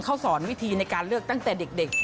เขาสอนวิธีในการเลือกตั้งแต่เด็ก